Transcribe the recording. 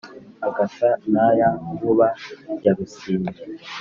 agasa na ya nkuba ya rusine